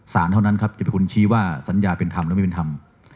เท่านั้นครับจะเป็นคนชี้ว่าสัญญาเป็นธรรมหรือไม่เป็นธรรม